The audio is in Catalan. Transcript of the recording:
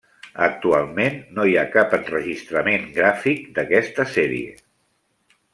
Actualment no hi ha cap enregistrament gràfic d'aquesta sèrie.